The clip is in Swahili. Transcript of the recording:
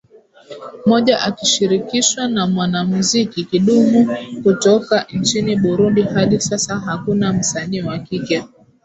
moja akishirikishwa na mwanamuziki Kidumu kutoka nchini Burundi Hadi sasa hakuna msanii wa kike